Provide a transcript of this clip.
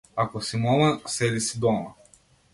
Ако си мома, седи си дома.